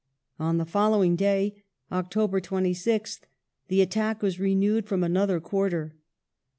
On the I following day (Oct. 26th) the attack was renewed from another quarter.